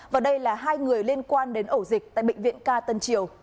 và đây là hai người liên quan đến ẩu dịch tại bệnh viện ca tân triều